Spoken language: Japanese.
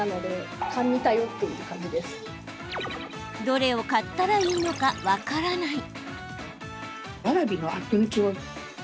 どれを買ったらいいのか分からない。